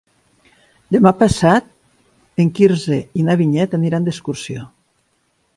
Demà passat en Quirze i na Vinyet aniran d'excursió.